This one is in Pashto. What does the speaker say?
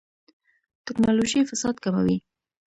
ټکنالوژي فساد کموي